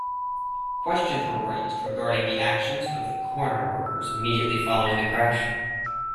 Questions were raised regarding the actions of the corner workers immediately following the crash.